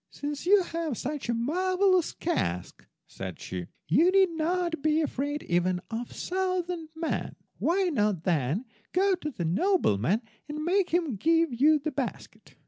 "Since you have such a marvellous cask," said she, "you need not be afraid even of a thousand men. Why not then go to the nobleman and make him give you the basket."